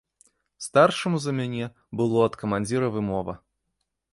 Старшаму за мяне было ад камандзіра вымова.